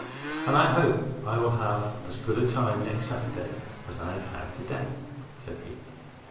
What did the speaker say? "And I hope I will have as good a time next Saturday as I have had to day," said he.